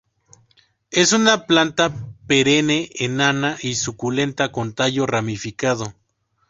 Es una planta perenne, enana y suculenta con tallo ramificado.